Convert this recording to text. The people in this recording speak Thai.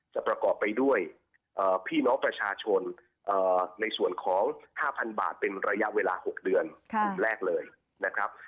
ประกอบไปด้วยพี่น้องประชาชนในส่วนของ๕๐๐๐บาทเป็นระยะเวลา๖เดือนกลุ่มแรกเลยนะครับ